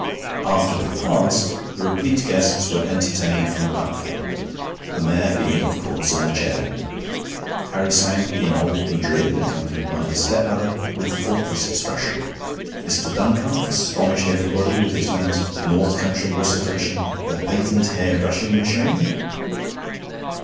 After the repast the replete guests were entertained from the platform, the Mayor being, of course, in the chair. Harry sang 'In Old Madrid,' accompanied by his stepmother, with faultless expression. Mr. Duncalf astonished everybody with the famous North Country recitation, 'The Patent Hair brushing Mashane.'